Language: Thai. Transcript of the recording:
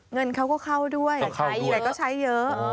เงินเขาก็เข้าด้วยแต่ก็ใช้เยอะ